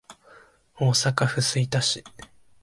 大阪府吹田市